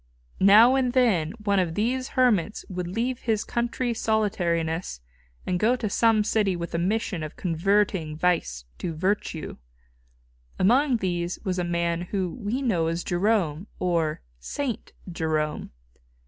Now and then one of these hermits would leave his country solitariness and go to some city with a mission of converting vice to virtue. Among these was a man whom we know as Jerome, or Saint Jerome.